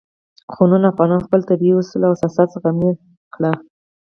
خو نن افغانانو خپل طبیعي اصول او اساسات زخمي کړي.